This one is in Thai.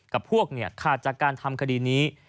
กับพวกขาดจากการทำคดีนี้